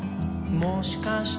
「もしかして」